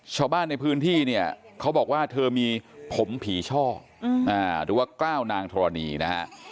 ชาวบ้านในพื้นที่เนี่ยเขาบอกว่าเธอมีผมผีช่อหรือว่ากล้าวนางธรณีนะฮะ